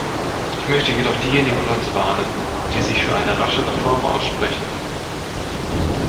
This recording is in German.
Ich möchte jedoch diejenigen unter uns warnen, die sich für eine rasche Reform aussprechen.